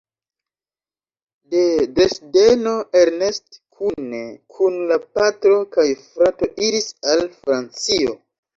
De Dresdeno Ernest kune kun la patro kaj frato iris al Francio.